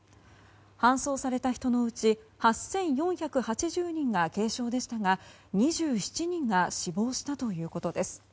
搬送された人のうち８４８０人が軽症でしたが２７人が死亡したということです。